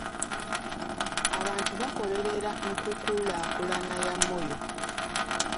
Abantu bakolerera nkukulaakulana ya Moyo.